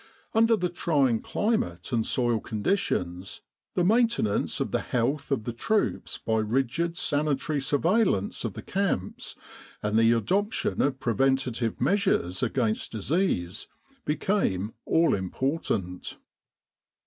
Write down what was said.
Under the trying climate and soil conditions, the maintenance of the health of the troops by rigid sanitary surveillance of the camps and the adoption of preventive measures against disease became all important.